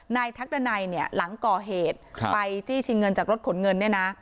ทักดันัยเนี่ยหลังก่อเหตุไปจี้ชิงเงินจากรถขนเงินเนี่ยนะ